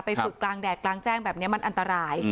ฝึกกลางแดดกลางแจ้งแบบนี้มันอันตราย